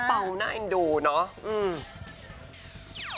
เป่าหน้าอินดูเนอะ